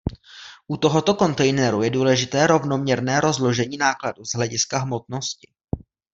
U tohoto kontejneru je důležité rovnoměrné rozložení nákladu z hlediska hmotnosti.